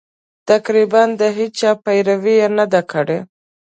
تقریباً د هېچا پیروي یې نه ده کړې.